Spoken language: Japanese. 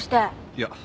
いや。